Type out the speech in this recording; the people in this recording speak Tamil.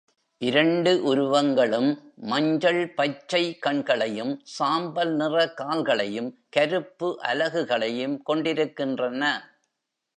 இரண்டு உருவங்களும் மஞ்சள்-பச்சை கண்களையும், சாம்பல் நிற கால்களையும், கருப்பு அலகுகளையும் கொண்டிருக்கின்றன.